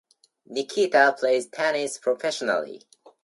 Nikita plays tennis professionally.